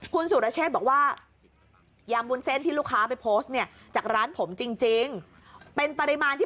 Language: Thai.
คุณสุรเชษฐ์คืออย่างนี้